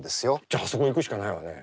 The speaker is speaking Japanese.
じゃああそこ行くしかないわね。